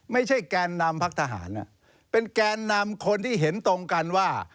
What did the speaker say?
แกนนำพักทหารเป็นแกนนำคนที่เห็นตรงกันว่า